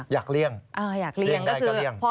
อะไรอย่างเงี้ยเหมือนแบบเล่นคนเล่นอะไร